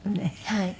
はい。